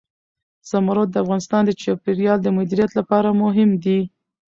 زمرد د افغانستان د چاپیریال د مدیریت لپاره مهم دي.